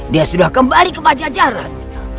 dia sudah kembali ke pajajaran